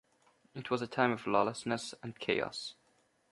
It was a time of lawlessness and chaos.